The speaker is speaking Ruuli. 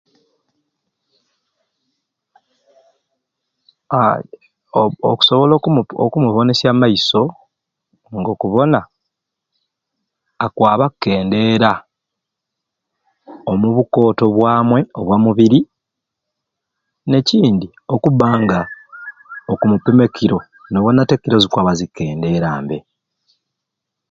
Aaa oku okusobola okumubonesya amaiso n'gokubona akwaba akukendeera omubukooto bwamwe obwamubiri n'ekindi okubbanga okumupima e kilo nobona te nga ekilo zikwaba zikukendeera mbe